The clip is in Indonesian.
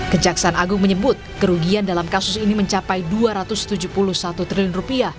kejaksaan agung menyebut kerugian dalam kasus ini mencapai rp dua ratus tujuh puluh satu triliun